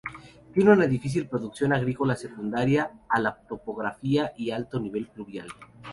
Tiene una difícil producción agrícola secundaria a la topografía y alto nivel pluvial.